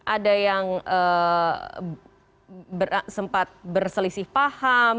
ada yang sempat berselisih paham